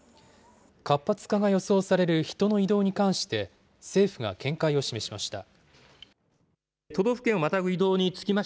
活発化が予想される人の移動に関して、政府が見解を示しました。